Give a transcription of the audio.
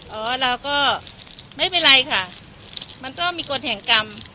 เราก็ไม่เป็นไรค่ะมันต้องมีกฎแห่งกรรม